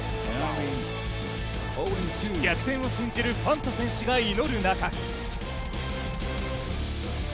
逆転を信じるファンと選手が祈る中